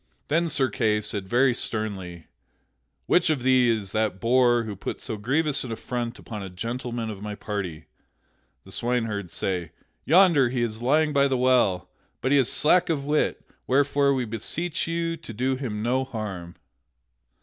Then Sir Kay said very sternly: "Which of ye is that boor who put so grievous an affront upon a gentleman of my party?" The swineherds say: "Yonder he is lying by the well; but he is slack of wit, wherefore we beseech you to do him no harm."